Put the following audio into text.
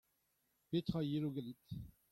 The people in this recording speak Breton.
Petra a yelo ganit ?